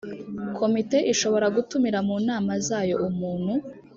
Komite ishobora gutumira mu nama zayo umuntu